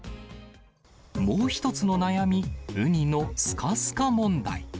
もう一つの悩み、ウニのすかすか問題。